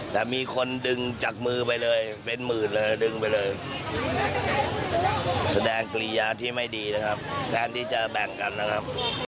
แสดงกลียาที่ไม่ดีนะครับแทนที่เจอแบ่งกันนะครับ